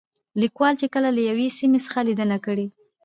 ليکوال چې کله له يوې سيمې څخه ليدنه کړې